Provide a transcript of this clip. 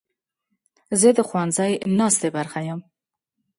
زه د ښوونځي ناستې برخه یم.